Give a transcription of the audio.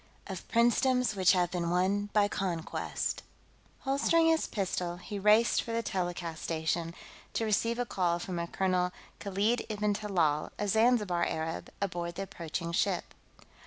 Of Princedoms Which Have Been Won by Conquest Holstering his pistol, he raced for the telecast station, to receive a call from a Colonel Khalid ib'n Talal, a Zanzibar Arab, aboard the approaching ship.